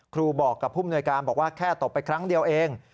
ครูบอกกับผู้มนวยการบอกว่าแค่ตบไปครั้งเดียวเอง